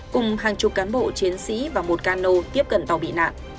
cùng hàng chục cán bộ chiến sĩ và một cano tiếp cận tàu bị nạn